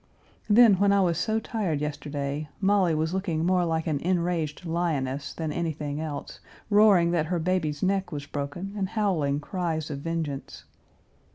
Then, when I was so tired yesterday, Molly was looking more like an enraged lioness than anything else, roaring that her baby's neck was broken, and howling cries of vengeance.